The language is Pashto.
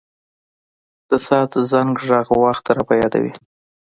د ساعت زنګ ږغ وخت را په یادوي.